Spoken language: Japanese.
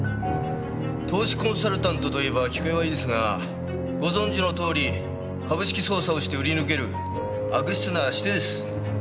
投資コンサルタントと言えば聞こえはいいですがご存じのとおり株式操作をして売り抜ける悪質な仕手です。